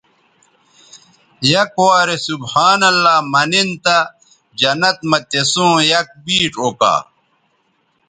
یک وارے سبحان اللہ منن تہ جنت مہ تسوں یک بیڇ اوکا